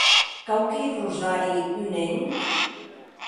Quauqui rosari unenc?